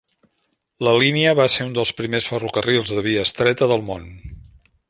La línia va ser un dels primers ferrocarrils de via estreta del món.